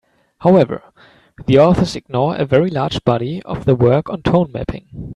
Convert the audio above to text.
However, the authors ignore a very large body of work on tone mapping.